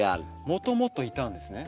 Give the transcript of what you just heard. もともといたんですね。